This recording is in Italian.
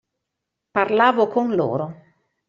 Parlavo con loro.